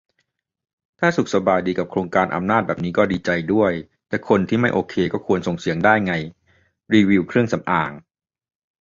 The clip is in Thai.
ถ้าสุขสบายดีกับโครงสร้างอำนาจแบบนี้ก็ดีใจด้วย แต่คนที่ไม่โอเคก็ควรส่งเสียงได้ไง รีวิวเครื่องสำอาง